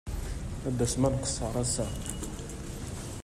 Ad tasem ad nqeṣṣer ass-a?